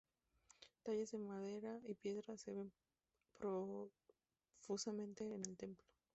Tallas de madera y piedra se ven profusamente en el templo.